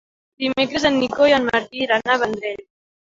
Dimecres en Nico i en Martí iran al Vendrell.